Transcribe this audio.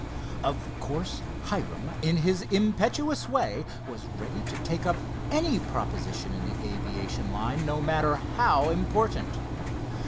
Of course Hiram, in his impetuous way, was ready to take up any proposition in the aviation line, no matter how important.